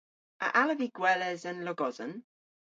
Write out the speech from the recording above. A allav vy gweles an logosen?